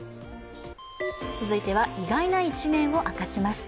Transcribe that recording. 続いては、意外な一面を明かしました。